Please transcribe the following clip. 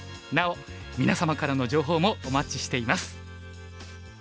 なお皆様からの情報もお待ちしています。